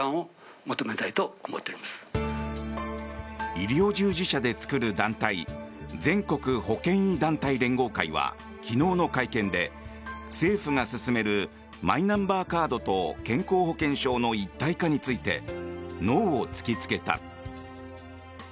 医療従事者で作る団体全国保険医団体連合会は昨日の会見で、政府が進めるマイナンバーカードと健康保険証の一体化についてノーを突きつけた。